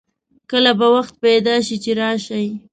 کله به وخت پیدا کړي چې راشئ